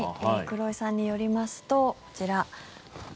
黒井さんによりますとこちら。